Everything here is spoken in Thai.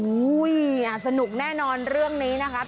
โอ๊ยสนุกแน่นอนเรื่องนี้นะครับ